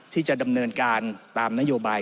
ที่จะดำเนินการตามนโยบาย